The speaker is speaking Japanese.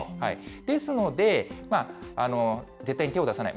ですので、絶対に手を出さない。